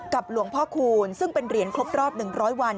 หลวงพ่อคูณซึ่งเป็นเหรียญครบรอบ๑๐๐วัน